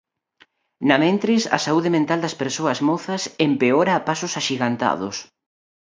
Namentres, a saúde mental das persoas mozas "empeora a pasos axigantados".